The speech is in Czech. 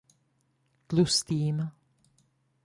Tlustým.